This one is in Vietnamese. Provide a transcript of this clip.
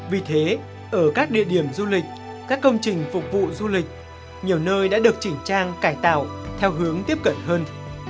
vì thế ở các địa điểm du lịch các công trình phục vụ du lịch nhiều nơi đã được chỉnh trang cải tạo theo hướng tiếp cận hơn